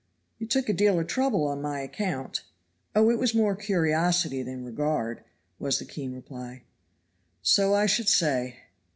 "You took a deal of trouble on my account." "Oh, it was more curiosity than regard," was the keen reply. "So I should say."